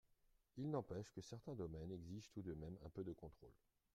Il n’empêche que certains domaines exigent tout de même un peu de contrôle.